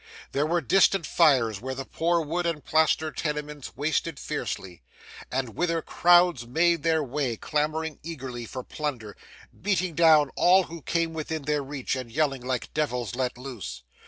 There were distant fires, where the poor wood and plaster tenements wasted fiercely, and whither crowds made their way, clamouring eagerly for plunder, beating down all who came within their reach, and yelling like devils let loose.